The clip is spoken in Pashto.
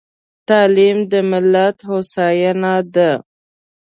تعليم د ملت هوساينه ده.